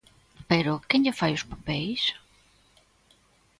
Pero, ¿quen lle fai os papeis?